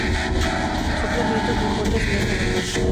Soplan vientos muy fuertes en esta montaña.